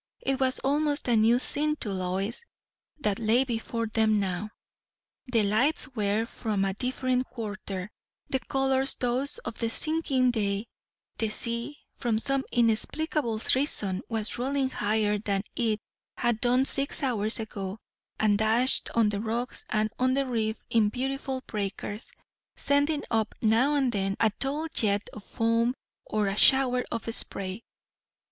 It was almost a new scene to Lois, that lay before them now. The lights were from a different quarter; the colours those of the sinking day; the sea, from some inexplicable reason, was rolling higher than it had done six hours ago, and dashed on the rocks and on the reef in beautiful breakers, sending up now and then a tall jet of foam or a shower of spray.